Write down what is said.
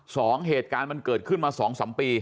เหตุการณ์มันเกิดขึ้นมาสองสามปี